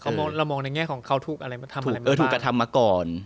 เรามองในแง่ของเขาถูกทำอะไรมาก่อน